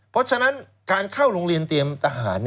เพราะฉะนั้นการเข้าโรงเรียนเตรียมทหาร